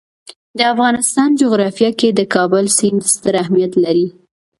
د افغانستان جغرافیه کې د کابل سیند ستر اهمیت لري.